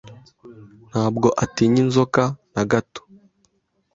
Ntabwo atinya inzoka na gato.